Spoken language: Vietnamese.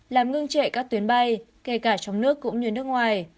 làm ngưng trệ các tuyến bay kể cả trong nước cũng như nước ngoài